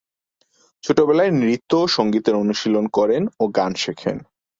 ছোটবেলায় নৃত্য ও সংগীতের অনুশীলন করেন ও গান শেখেন।